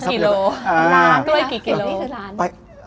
กี่โลร้านด้วยกี่โล